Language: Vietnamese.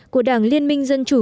của đảng liên minh dân chủ